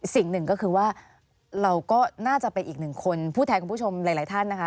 สิ่งหนึ่งก็คือว่าเราก็น่าจะเป็นอีกหนึ่งคนผู้แทนคุณผู้ชมหลายท่านนะคะ